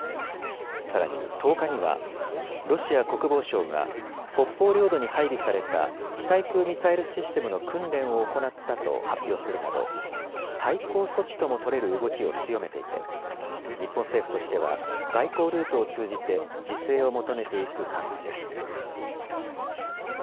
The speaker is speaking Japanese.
さらに、１０日にはロシア国防省が、北方領土に配備された地対空ミサイルシステムの訓練を行ったと発表するなど、対抗措置とも取れる動きを強めていて、日本政府としては、外交ルートを通じて自制を求めていく考えです。